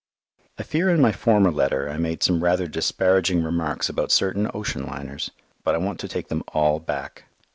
I fear in my former letter I made some rather disparaging remarks about certain ocean liners, but I want to take them all back.